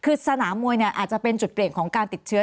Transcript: คือสนามมวยเนี่ยอาจจะเป็นจุดเปลี่ยนของการติดเชื้อ